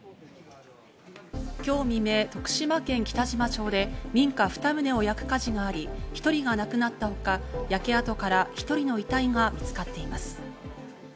今日未明、徳島県北島町で民家２棟を焼く火事があり、１人が亡くなったほか、焼け跡から１人の遺体が見つかっています。